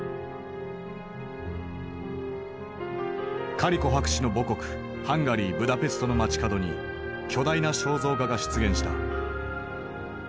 カリコ博士の母国ハンガリーブダペストの街角に巨大な肖像画が出現した。